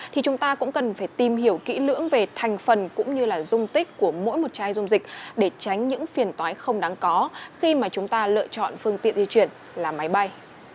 thì chúng ta cũng cần phải tìm hiểu kỹ lưỡng về thành phần cũng như là dung tích của mỗi một chai dung dịch để tránh những phiền tói không đáng có khi mà chúng ta lựa chọn phương tiện di chuyển là máy bay